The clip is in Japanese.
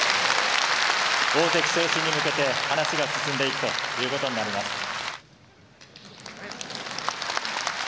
大関昇進に向けて、話が進んでいくということになります。